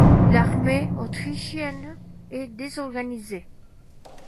L'armée autrichienne est désorganisée.